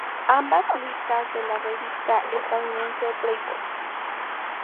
Ambas listas de la revista estadounidense "Billboard".